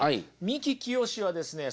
三木清はですね